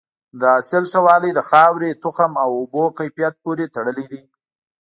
د حاصل ښه والی د خاورې، تخم او اوبو کیفیت پورې تړلی دی.